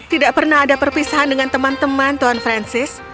tidak pernah ada perpisahan dengan teman teman tuan francis